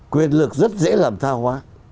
quyền lực rất dễ làm tha hoá